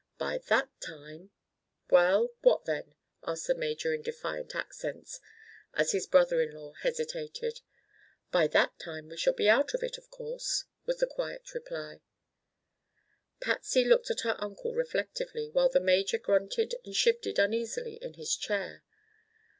By that time—" "Well, what then?" asked the major in defiant accents, as his brother in law hesitated. "By that time we shall be out of it, of course," was the quiet reply. Patsy looked at her uncle reflectively, while the major grunted and shifted uneasily in his chair.